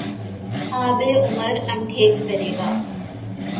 آب عمر انٹهیک کرے گا